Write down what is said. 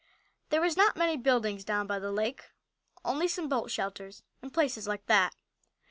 There were not many buildings down by the lake, only some boat shelters and places like that.